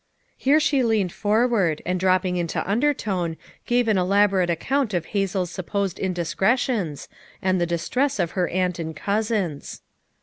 Here she leaned forward and dropping into undertone gave an elaborate account of Hazel 's FOUR MOTHERS AT CHAUTAUQUA 257 supposed indiscretions, and the distress of her aunt and cousins.